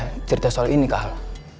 lu udah cerita soal ini kak al